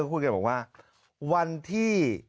คุยกันบอกว่าวันที่